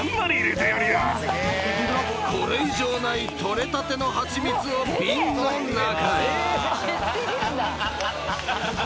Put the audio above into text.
［これ以上ない取れたての蜂蜜を瓶の中へ］